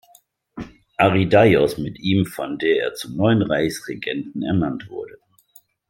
Arrhidaios, mit ihm, von der er zum neuen Reichsregenten ernannt wurde.